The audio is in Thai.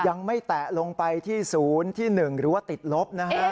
ยังไม่แตะลงไปที่ศูนย์ที่๑หรือว่าติดลบนะฮะ